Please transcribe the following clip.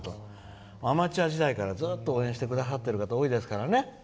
アマチュア時代からずっと応援してくださっている方多いですからね。